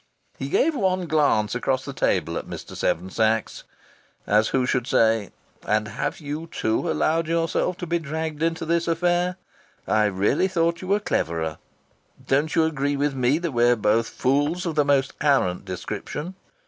He gave one glance across the table at Mr. Seven Sachs, as who should say: "And have you too allowed yourself to be dragged into this affair? I really thought you were cleverer. Don't you agree with me that we're both fools of the most arrant description?"